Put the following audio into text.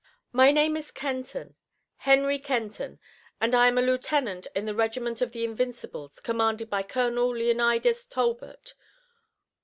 "My name is Kenton, Henry Kenton, and I am a lieutenant in the regiment of the Invincibles, commanded by Colonel Leonidas Talbot!